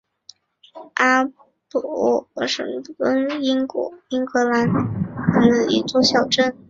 阿什伯顿是位于英国英格兰西南部德文郡的一座小镇。